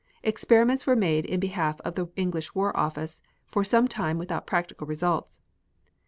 Experiments were made in behalf of the English War Office for some time without practical results.